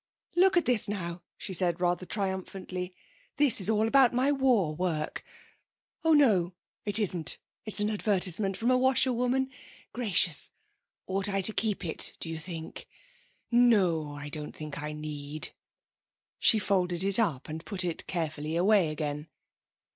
'Look at this, now,' she said rather triumphantly. 'This is all about my war work. Oh no, it isn't. It's an advertisement from a washer woman. Gracious, ought I to keep it, do you think? No, I don't think I need.' She folded it up and put it carefully away again.